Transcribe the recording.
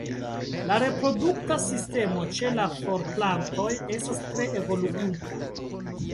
La reprodukta sistemo ĉe la florplantoj estas tre evoluinta.